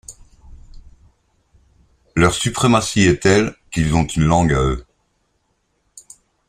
Leur suprématie est telle qu’ils ont une langue à eux.